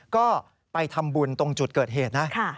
ก็ไปทำบุญตรงจุดเกิดเหตุนะครับค่ะ